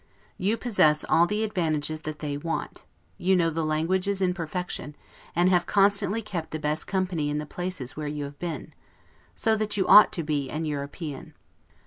You possess all the advantages that they want; you know the languages in perfection, and have constantly kept the best company in the places where you have been; so that you ought to be an European.